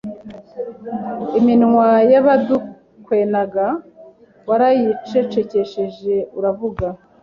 iminwa yabadukwenaga warayi cecekesheje uravuga